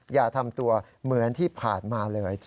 อย่าทำตัวเหมือนที่ผ่านมาเลย